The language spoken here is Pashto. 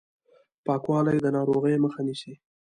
پاکوالی د ناروغیو مخه نیسي.